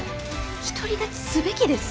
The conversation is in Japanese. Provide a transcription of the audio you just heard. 独り立ちすべきです。